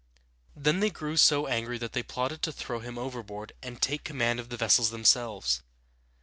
Then they grew so angry that they plotted to throw him overboard and take command of the vessels themselves.